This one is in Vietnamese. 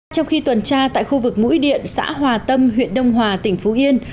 trong khi tuần tra tại khu vực mũi điện xã hòa tâm huyện đông hòa tỉnh phú yên